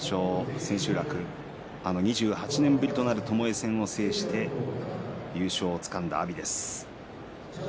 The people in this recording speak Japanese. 千秋楽２８年ぶりとなるともえ戦を制して優勝をつかんだ阿炎です。